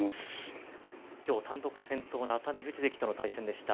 今日は単独先頭の熱海富士関との対戦でした。